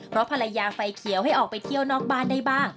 เพราะภรรยาไฟเขียวให้ออกไปเที่ยวนอกบ้านได้บ้าง